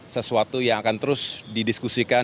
sesuatu yang akan terus didiskusikan